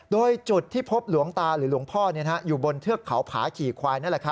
โดยจุดที่พบหลวงตาหรือหลวงพ่ออยู่บนเทือกเขาผาขี่ควาย